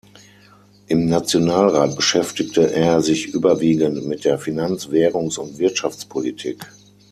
Im Nationalrat beschäftigte er sich überwiegend mit der Finanz-, Währungs- und Wirtschaftspolitik.